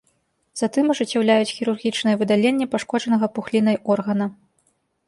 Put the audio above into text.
Затым ажыццяўляюць хірургічнае выдаленне пашкоджанага пухлінай органа.